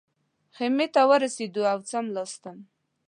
خیمې ته ورسېدو او څملاستم.